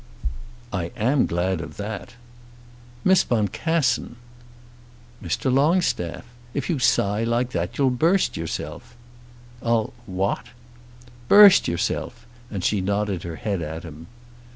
"I am glad of that." "Miss Boncassen!" "Mr. Longstaff! If you sigh like that you'll burst yourself." "I'll what?" "Burst yourself!" and she nodded her head at him.